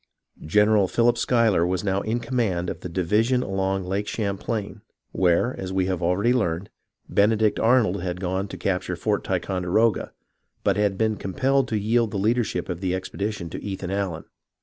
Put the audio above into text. General Philip Schuy ler was now in command of the division along Lake Cham plain, where, as we have already learned, Benedict Arnold had gone to capture Fort Ticonderoga, but had been com pelled to yield the leadership of the expedition to Ethan Allen.